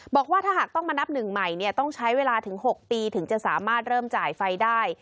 บอกว่าถ้าหากต้องมานับหนึ่งใหม่เนี่ยต้องใช้เวลาถึง๖ปีถึงจะสามารถเริ่มจ่ายไฟได้